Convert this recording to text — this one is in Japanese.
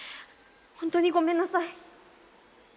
ほんとにごめんなさい。